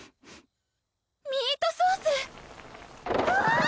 ミートソース！